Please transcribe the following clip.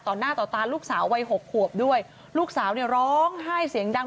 หน้าต่อตาลูกสาววัยหกขวบด้วยลูกสาวเนี่ยร้องไห้เสียงดัง